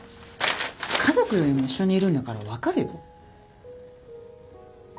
家族よりも一緒にいるんだから分かるよ。